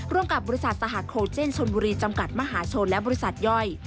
กับบริษัทสหโคลเจนชนบุรีจำกัดมหาชนและบริษัทย่อย